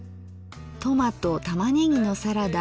「トマト玉ねぎのサラダ」